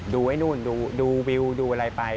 ดูไอ้นู่นดูวิวดูอะไรไป